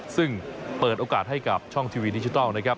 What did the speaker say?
ซึ่งเปิดโอกาสให้กับช่องทีวีดิจิทัลนะครับ